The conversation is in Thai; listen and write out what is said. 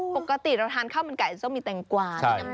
ปกติเราทานข้าวมันไก่จะต้องมีแตงกวา